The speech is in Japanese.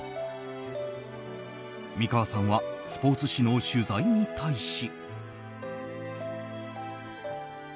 美川さんはスポーツ紙の取材に対し。